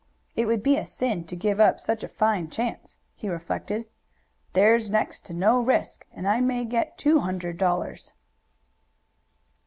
"It would be a sin to give up such a fine chance," he reflected. "There's next to no risk, and I may get two hundred dollars."